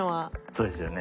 そうですよね。